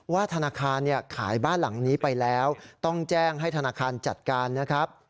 ธนาคารขายบ้านหลังนี้ไปแล้วต้องแจ้งให้ธนาคารจัดการนะครับ